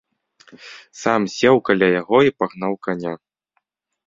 Сам сеў каля яго і пагнаў каня.